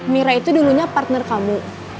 mira itu dulunya partner kamu